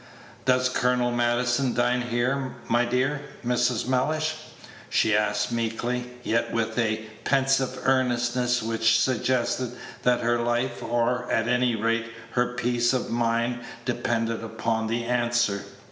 "Does Colonel Maddison dine here, my dear Mrs. Mellish?" she asked meekly, yet with a pensive earnestness which suggested that her life, or, at any rate, her peace of mind, depended upon the answer.